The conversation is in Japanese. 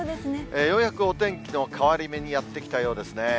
ようやくお天気の変わり目にやって来たようですね。